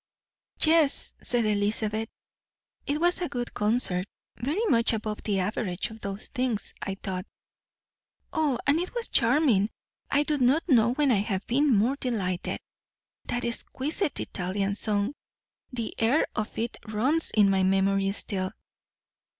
"Yes," said Elizabeth, "it was a good concert, very much above the average of those things, I thought." "Oh, it was charming! I do not know when I have been more delighted! That exquisite Italian song! The air of it runs in my memory still."